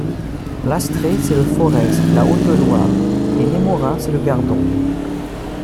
L'Astrée, c'est le Forez, la Haute-Loire, et Némorin, c'est le Gardon.